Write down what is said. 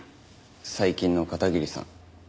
最近の片桐さん。